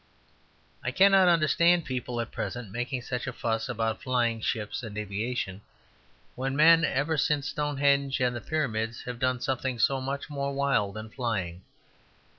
I cannot understand people at present making such a fuss about flying ships and aviation, when men ever since Stonehenge and the Pyramids have done something so much more wild than flying.